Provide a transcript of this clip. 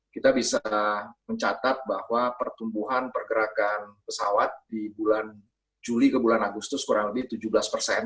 kita bisa mencatat bahwa pertumbuhan pergerakan pesawat di bulan juli ke bulan agustus kurang lebih tujuh belas persen